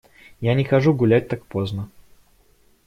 Я не хожу гулять так поздно.